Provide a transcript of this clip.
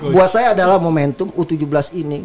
buat saya adalah momentum u tujuh belas ini